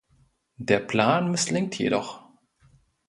Der Plan misslingt jedoch.